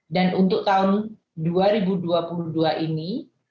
dan untuk tahun dua ribu dua puluh dua ini